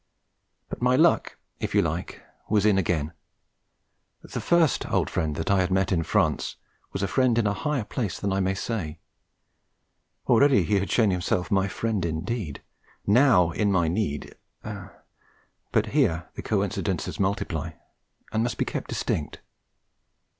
But my luck (if you like) was in again. The first old friend that I had met in France was a friend in a higher place than I may say. Already he had shown himself my friend indeed; now, in my need But here the coincidences multiply, and must be kept distinct.